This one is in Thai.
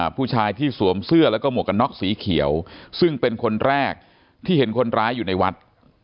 ผู้ชายที่สวมเสื้อแล้วก็หมวกกันน็อกสีเขียวซึ่งเป็นคนแรกที่เห็นคนร้ายอยู่ในวัด